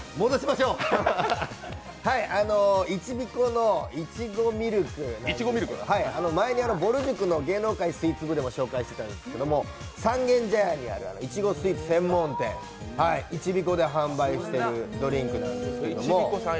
いちびこのいちごミルクなんですけど、前に「ぼる塾の芸能界スイーツ部」でも紹介していたんですけど、三軒茶屋にあるいちごスイーツ専門店・いちびこで販売しているドリンクなんですけれども。